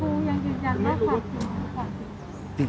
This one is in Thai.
คุณลูกคุณภูมิยังยืดยันได้ใช่มั้ยครับ